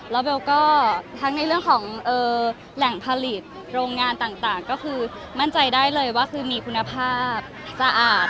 แล้วเบลก็ทั้งในเรื่องของแหล่งผลิตโรงงานต่างก็คือมั่นใจได้เลยว่าคือมีคุณภาพสะอาด